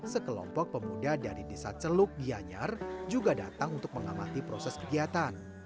sekelompok pemuda dari desa celuk gianyar juga datang untuk mengamati proses kegiatan